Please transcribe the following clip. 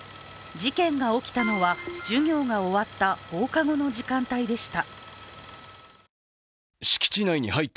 事件が起きたのは、授業が終わった放課後の時間帯でした。